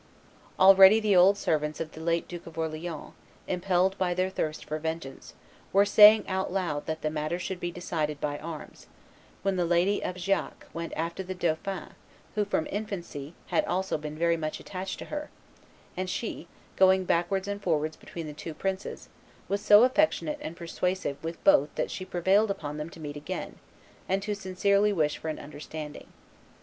Already the old servants of the late Duke of Orleans, impelled by their thirst for vengeance, were saying out loud that the matter should be decided by arms, when the lady of Giac went after the dauphin, who from infancy had also been very much attached to her, and she, going backwards and forwards between the two princes, was so affectionate and persuasive with both that she prevailed upon them to meet again, and to sincerely wish for an understanding.